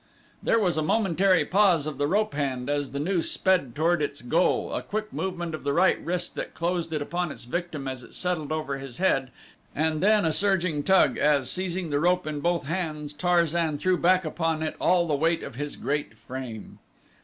There was a momentary pause of the rope hand as the noose sped toward its goal, a quick movement of the right wrist that closed it upon its victim as it settled over his head and then a surging tug as, seizing the rope in both hands, Tarzan threw back upon it all the weight of his great frame.